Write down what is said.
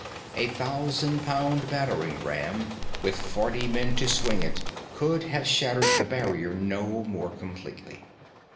A thousand pound battering ram with forty men to swing it could have shattered the barrier no more completely.